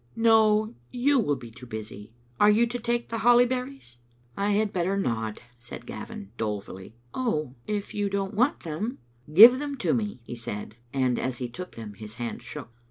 " No, you will be too busy. Are you to take the holly berries?" " I had better not," said Gavin, dolefully. " Oh, if you don't want them " "Give them to me," he said, and as he took them his hand shook.